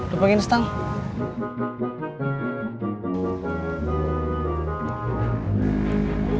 lupa gini setengah